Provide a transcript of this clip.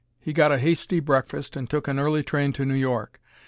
He got a hasty breakfast and took an early train to New York.